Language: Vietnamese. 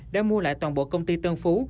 đã mua lại toàn bộ công ty tân phú